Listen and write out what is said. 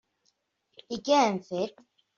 I què hem fet?